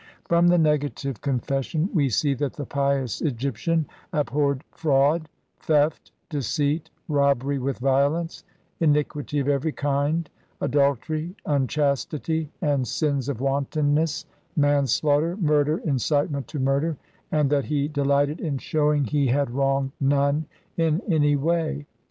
From the Negative Confession we see that the pious Egyptian abhorred fraud, theft, deceit, robbery with violence, iniquity of every kind, adultery, unchastity and sins of wantonness, manslaughter, murder, incitement to murder, and that he delighted in shewing he had wronged none in any way.